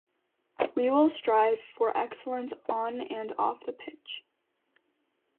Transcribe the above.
We will strive for excellence on and off the pitch.